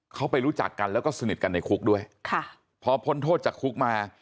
เขาไปรู้จักกันแล้วก็สนิทกันในคุกด้วยค่ะพอพ้นโทษจากคุกมา